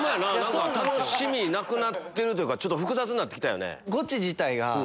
楽しみなくなってるというかちょっと複雑なってきたよね。